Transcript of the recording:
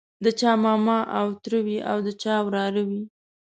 د چا ماما او تره وي او د چا وراره وي.